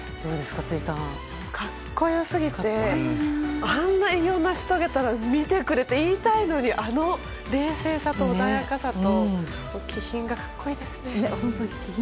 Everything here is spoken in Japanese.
格好良すぎてあんな偉業を成し遂げたら見てくれ！って言いたいのにあの冷静さと穏やかさと、気品が格好いいですね。